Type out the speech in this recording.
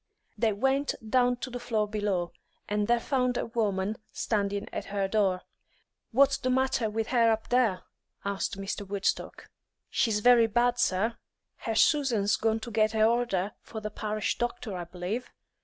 They went down to the floor below, and there found a woman standing at her door. "What's the matter with her up there?" asked Mr. Woodstock. "She's very bad, sir. Her Susan's gone to get a order for the parish doctor, I b'lieve.